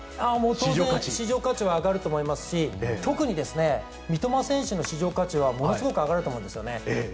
当然市場価値は上がると思いますし特に三笘選手の市場価値はものすごく上がると思うんですね。